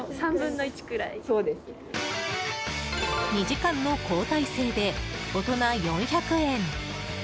２時間の交代制で大人４００円。